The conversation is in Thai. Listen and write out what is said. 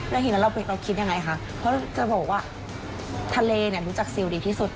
แล้วทีนั้นเราคิดอย่างไรคะเพราะจะบอกว่าทะเลรู้จักซิลดีที่สุด